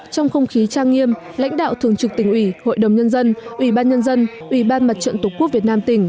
trong không khí trang nghiêm lãnh đạo thường trực tỉnh ủy hội đồng nhân dân ủy ban nhân dân ủy ban mặt trận tổ quốc việt nam tỉnh